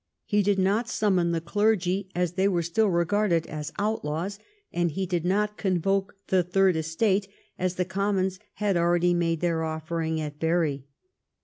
He did not summon the clergy, as they were still regarded as outlaws ; and he did not convoke the third estate, as the commons had already made their offering at Bury.